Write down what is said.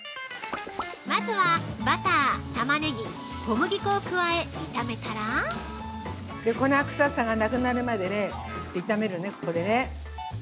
◆まずはバター、タマネギ、小麦粉を加え、炒めたら◆粉くささがなくなるまでね炒めるね、ここでね。